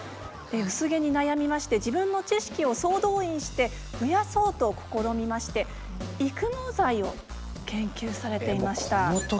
薄毛に悩みまして自分の知識を総動員して増やそうと試みまして育毛剤を研究されていました。